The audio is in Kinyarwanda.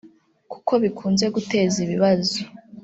kuko bikunze guteza ibibazo